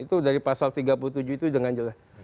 itu dari pasal tiga puluh tujuh itu dengan jelas